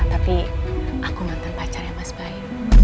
tapi aku mantan pacar ya mas bayu